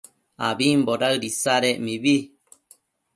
abimbo daëd isadec mibi